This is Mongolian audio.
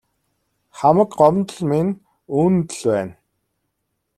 Хамаг гомдол минь үүнд л байна.